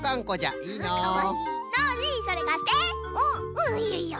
うんいいよいいよ。